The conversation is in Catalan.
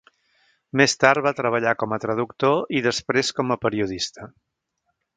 Més tard va treballar com a traductor i després com a periodista.